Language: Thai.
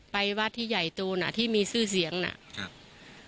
ไปวัดที่ใหญ่ตูนอ่ะที่มีชื่อเสียงนะครับ